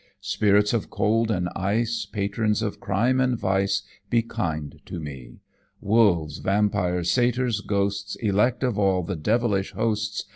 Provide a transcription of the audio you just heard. "Spirits of cold and ice, Patrons of crime and vice, Be kind to me. "Wolves, vampires, satyrs, ghosts! Elect of all the devilish hosts!